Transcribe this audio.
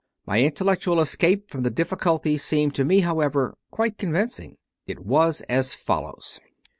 My intellectual escape from the difficulty seemed to me, however, quite convincing. It was as follows.